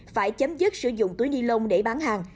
phải chấm dứt sử dụng túi ni lông để bán hàng